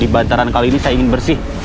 di bantaran kali ini saya ingin bersih